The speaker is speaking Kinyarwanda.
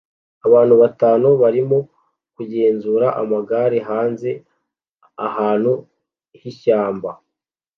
Abantu batanu barimo kugenzura amagare hanze ahantu h'ishyamba